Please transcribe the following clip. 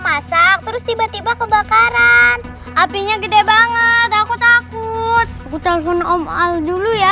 masak terus tiba tiba kebakaran apinya gede banget aku takut aku telepon dulu ya